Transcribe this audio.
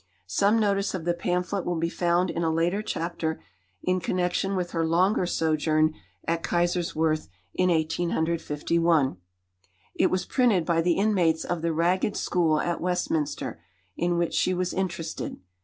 Some notice of the pamphlet will be found in a later chapter in connection with her longer sojourn at Kaiserswerth in 1851. It was printed by the inmates of the Ragged School at Westminster in which she was interested.